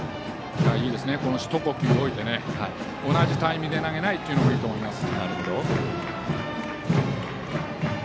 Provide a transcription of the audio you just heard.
ひと呼吸置いて同じタイミングで投げないのがいいと思います。